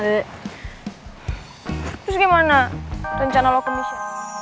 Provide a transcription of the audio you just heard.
terus gimana rencana lo komisi